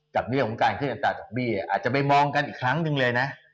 กับเบี้ยของการขึ้นตาดอกเบี้ยอาจจะไม่มองกันอีกครั้งนึงเลยนะ